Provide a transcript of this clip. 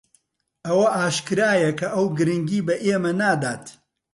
ئەوە ئاشکرایە کە ئەو گرنگی بە ئێمە نادات.